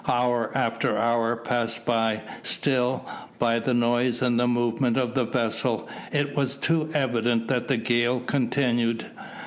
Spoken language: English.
Hour after hour passed by. Still, by the noise and the movement of the vessel, it was too evident that the gale continued.